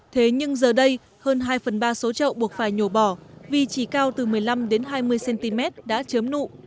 thế nhưng giờ đây hơn hai phần ba số trậu buộc phải nhổ bỏ vì chỉ cao từ một mươi năm đến hai mươi cm đã chớm nụ